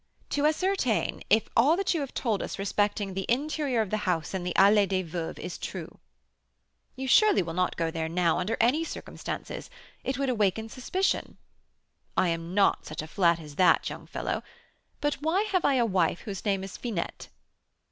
"To ascertain if all that you have told us respecting the interior of the house in the Allée des Veuves is true." "You surely will not go there now, under any circumstances? It would awaken suspicion." "I am not such a flat as that, young fellow; but why have I a wife whose name is Finette?"